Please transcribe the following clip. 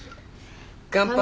乾杯！